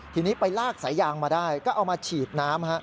ทีนี้ไปลากสายยางมาได้ก็เอามาฉีดน้ำ